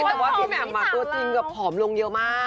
แต่ว่าพี่แหม่มตัวจริงแบบผอมลงเยอะมาก